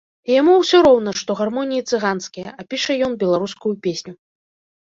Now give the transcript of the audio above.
І яму ўсё роўна, што гармоніі цыганскія, а піша ён беларускую песню.